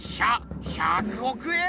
ひゃ１００億円